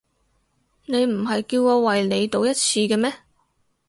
你唔係叫我為你賭一次嘅咩？